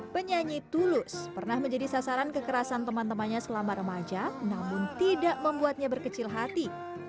penyanyi tulus pernah menjadi sasaran kekerasan teman temannya selama remaja namun tidak membuatnya berkecil hati